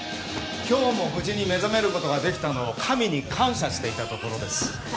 今日も無事に目覚めることができたのを神に感謝していたところです。